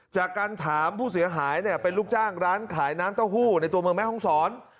จากการถามผู้เสียหายเนี่ยเป็นลูกจ้างร้านขายน้ำเต้าหู้ในตัวเมืองแม่ห้องศร